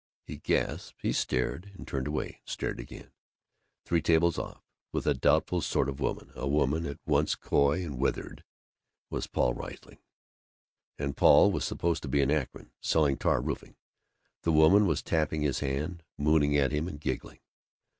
He gasped. He stared, and turned away, and stared again. Three tables off, with a doubtful sort of woman, a woman at once coy and withered, was Paul Riesling, and Paul was supposed to be in Akron, selling tar roofing. The woman was tapping his hand, mooning at him and giggling.